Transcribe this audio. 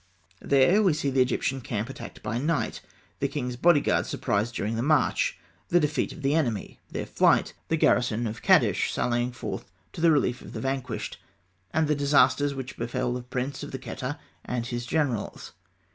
There we see the Egyptian camp attacked by night; the king's bodyguard surprised during the march; the defeat of the enemy; their flight; the garrison of Kadesh sallying forth to the relief of the vanquished; and the disasters which befell the prince of the Kheta and his generals.